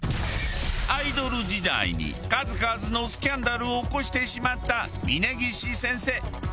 アイドル時代に数々のスキャンダルを起こしてしまった峯岸先生。